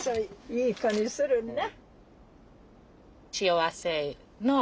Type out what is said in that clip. いい子にするんな。